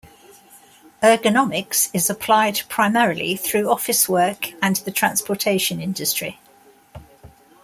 Ergonomics is applied primarily through office work and the transportation industry.